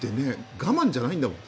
我慢じゃないんだもん。